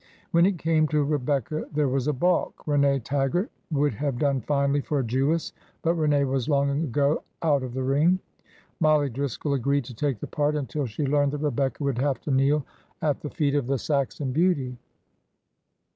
When it came to Rebecca, there was a balk. Rene Taggart would have done finely for a Jewess, but Rene was long ago out of the ring. Mollie Driscoll agreed to take the part until she learned that Rebecca would have to kneel at the feet of the Saxon beauty.